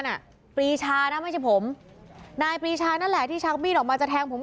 น่ะปรีชานะไม่ใช่ผมนายปรีชานั่นแหละที่ชักมีดออกมาจะแทงผม